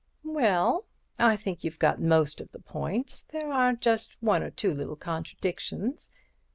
"Well, I think you've got most of the points. There are just one or two little contradictions.